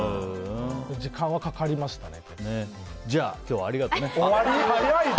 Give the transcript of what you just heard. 時間はかかりましたね。